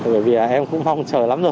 bởi vì em cũng mong chờ lắm rồi